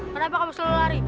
kenapa kamu selalu lari